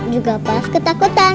juga pas ketakutan